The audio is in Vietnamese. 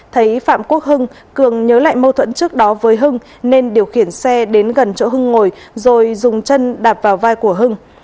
thấy phạm quốc hưng cường nhớ lại mâu thuẫn trước đó với hưng nên điều khiển xe đến gần chỗ hưng ngồi rồi dùng chân đạp vào vai của hưng